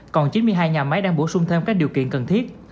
còn chín mươi hai nhà máy đang bổ sung thêm các điều kiện cần thiết